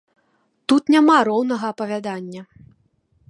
Тут няма роўнага апавядання.